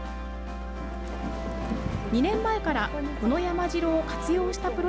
２年前からこの山城を活用したプ